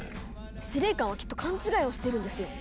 司令官はきっと勘違いをしてるんですよ。